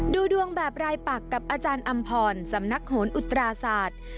ดูดวงแบบรายปักกับอาจารย์อำพรสำนักโหนอุตราศาสตร์